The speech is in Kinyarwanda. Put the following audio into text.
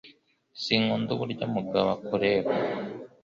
Sinkunda uburyo Mugabo akureba.